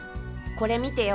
これ見てよ。